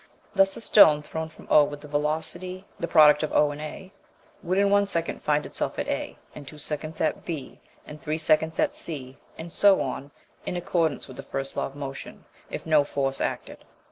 Thus a stone thrown from O with the velocity OA would in one second find itself at A, in two seconds at B, in three seconds at C, and so on, in accordance with the first law of motion, if no force acted.